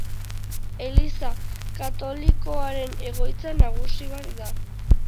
Eliza Katolikoaren egoitza nagusi bat da.